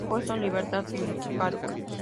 Fue puesto en libertad sin cargos.